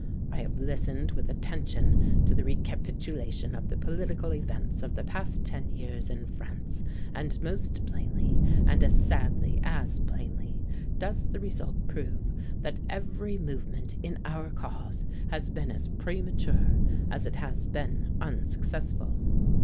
I have listened with attention to the recapitulation of the political events of the past ten years in France; and most plainly, and as sadly as plainly, does the result prove that every movement in our cause has been as premature as it has been unsuccessful."